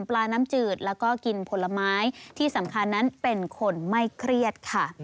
ปลาน้ำจืดแล้วก็กินผลไม้ที่สำคัญนั้นเป็นคนไม่เครียดค่ะ